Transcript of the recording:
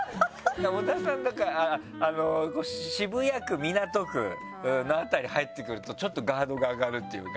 小田さんだから渋谷区港区の辺り入ってくるとちょっとガードが上がるっていうか。